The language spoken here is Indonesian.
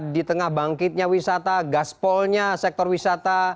di tengah bangkitnya wisata gaspolnya sektor wisata